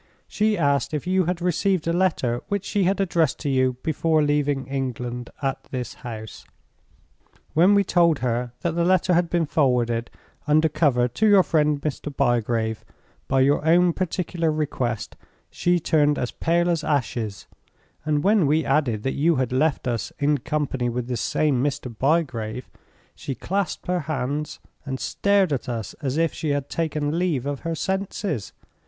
She asked if you had received a letter which she had addressed to you before leaving England at this house. When we told her that the letter had been forwarded, under cover to your friend Mr. Bygrave, by your own particular request, she turned as pale as ashes; and when we added that you had left us in company with this same Mr. Bygrave, she clasped her hands and stared at us as if she had taken leave of her senses.